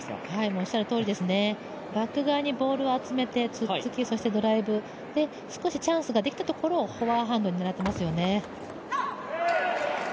おっしゃるとおりですね、バック側にボールを集めてつっつき、つっつき、そしてドライブ、少しチャンスができたところをフォアハンドで狙ってますよね。